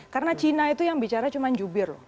karena cina itu yang bicara cuma jubir